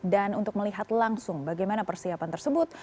dan untuk melihat langsung bagaimana persiapan tersebut